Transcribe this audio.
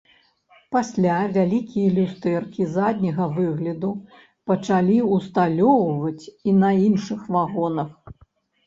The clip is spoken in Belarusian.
Пасля вялікія люстэркі задняга выгляду пачалі ўсталёўваць і на іншых вагонах.